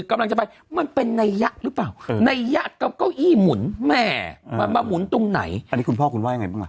แม่เออมามุนตรงไหนอันนี้คุณพ่อคุณว่ายังไงบ้างอ่ะ